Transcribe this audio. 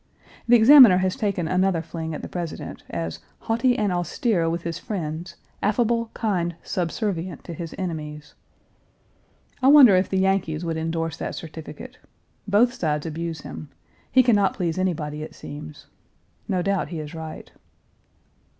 The Examiner has taken another fling at the President, as, "haughty and austere with his friends, affable, kind, subservient to his enemies." I wonder if the Yankees would indorse that certificate. Both sides abuse him. He can not please anybody, it seems. No doubt he is right.